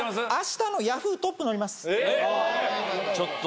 ちょっと。